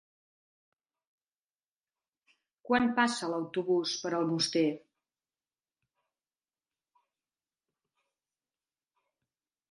Quan passa l'autobús per Almoster?